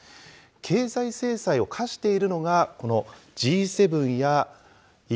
経済制裁を科しているのが、このＧ７やＥＵなど。